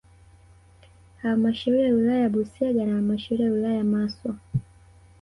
Halmashauri ya wilaya ya Busega na halmashauri ya wilaya ya Maswa